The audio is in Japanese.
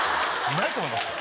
ないと思いますよ。